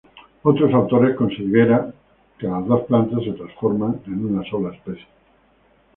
Otros autores consideran que las dos plantas se transforman de una sola especie.